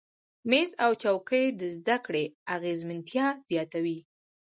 میز او چوکۍ د زده کړې اغیزمنتیا زیاتوي.